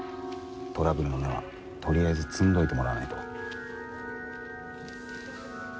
トラブルの芽はとりあえず摘んどいてもらわないと。